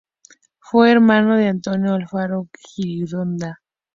Fue hermano de Antonio Alfaro Gironda.